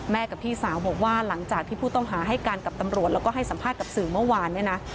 กับพี่สาวบอกว่าหลังจากที่ผู้ต้องหาให้การกับตำรวจแล้วก็ให้สัมภาษณ์กับสื่อเมื่อวานเนี่ยนะ